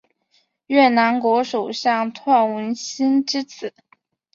越南国首相阮文心之子。